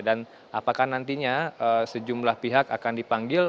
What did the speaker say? dan apakah nantinya sejumlah pihak akan dipanggil